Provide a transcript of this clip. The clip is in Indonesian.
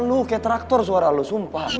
lo kayak traktor suara lo sumpah